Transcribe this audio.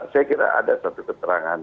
saya kira ada satu keterangan